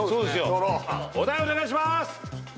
取ろうお題お願いします